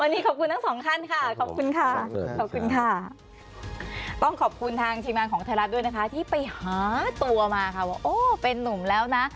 วันนี้ขอบคุณทั้งสองขั้นค่ะขอบคุณค่ะต้องขอบคุณทางทีมงานของธรรมด้วยนะคะที่ไปหาตัวมาว่าเป็นนุ่มแล้วนะ